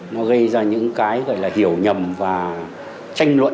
nó gây ra những cái hiểu nhầm và tranh luận